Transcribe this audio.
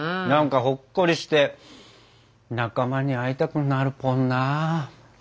なんかほっこりして仲間に会いたくなるポンな。